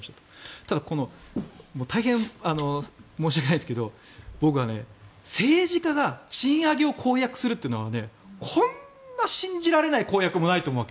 ただこの大変、申し訳ないですけど僕は政治家が賃上げを公約するというのはこんな信じられない公約はないと思うわけ。